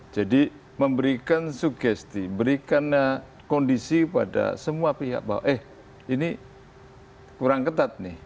jadi memberikan sugesti memberikan kondisi pada semua pihak bahwa eh ini kurang ketat nih